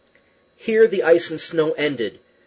Here the ice and snow ended.